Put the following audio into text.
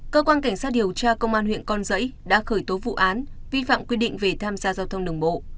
cơ quan cảnh sát điều tra công an huyện con rẫy đã khởi tố vụ án vi phạm quy định về tham gia giao thông đường bộ